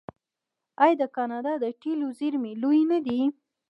آیا د کاناډا د تیلو زیرمې لویې نه دي؟